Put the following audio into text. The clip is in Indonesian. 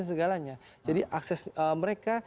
dan segalanya jadi akses mereka